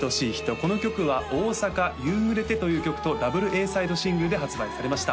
この曲は「ＯＳＡＫＡ夕暮れて」という曲とダブルＡサイドシングルで発売されました